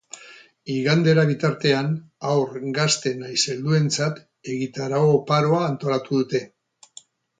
Igandera bitartean, haur, gazte nahiz helduentzat egitarau oparoa antolatu dute.